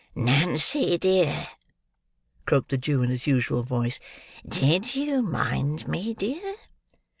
"Nancy, dear!" croaked the Jew, in his usual voice. "Did you mind me, dear?"